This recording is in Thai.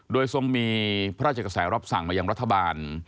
โดยทรงมีพระราชกษัยรอบสั่งมาอย่างรัฐบาล